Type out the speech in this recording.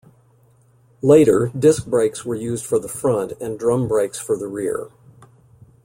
Later, disc brakes were used for the front and drum brakes for the rear.